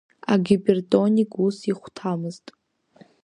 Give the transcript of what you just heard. Агипертоник ус ихәҭамызт.